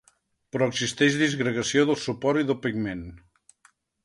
Però existeix disgregació del suport i del pigment.